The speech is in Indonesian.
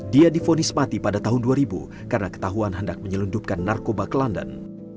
dia difonis mati pada tahun dua ribu karena ketahuan hendak menyelundupkan narkoba ke london